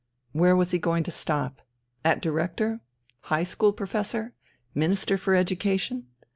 Where was he going to stop? At Director? High school Professor? Minister for Education?